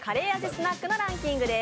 スナックのランキングです。